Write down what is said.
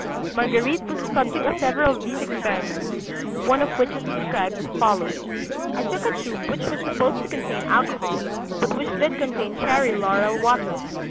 Marguerite was the subject of several of these experiments, one of which is described as follows: "I took a tube which was supposed to contain alcohol, but which did contain cherry laurel water.